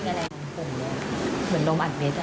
เหมือนลมอัดเม็ดอ่ะ